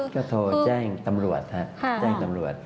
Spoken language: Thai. ก็โทรแจ้งตำรวจครับแจ้งตำรวจ